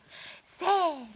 せの。